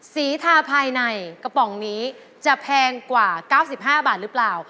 ทาภายในกระป๋องนี้จะแพงกว่า๙๕บาทหรือเปล่า